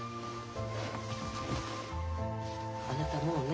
あなたもうね